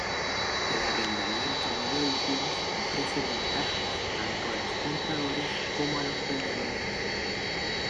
El arrendamiento de vehículos ofrece ventajas tanto a los compradores como a los vendedores.